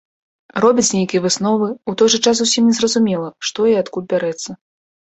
Робяць нейкія высновы, у той жа час зусім не зразумела, што і адкуль бярэцца.